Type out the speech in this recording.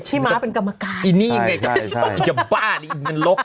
ที่มาเป็นกรรมการเนี่ยไงอย่าบ้าอันนี้ไอ้มันล้ก